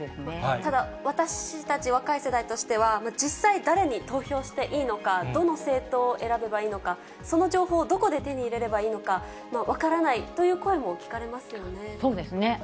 ただ、私たち、若い世代としては、実際、誰に投票していいのか、どの政党を選べばいいのか、その情報をどこで手に入れればいいのか、分からないという声も聞そうですね。